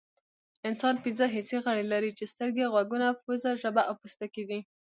انسان پنځه حسي غړي لري چې سترګې غوږونه پوزه ژبه او پوستکی دي